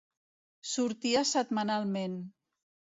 Sortia setmanalment.